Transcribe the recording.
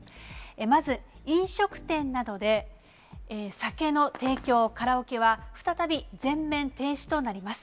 まず、飲食店などで酒の提供、カラオケは、再び全面停止となります。